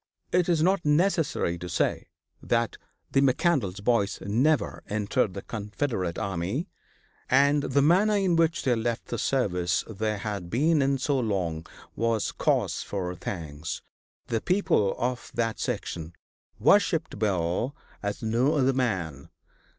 It is not necessary to say that the McCandlas boys never entered the Confederate army, and the manner in which they left the service they had been in so long was cause for thanks. The people of that section worshiped Bill as no other man.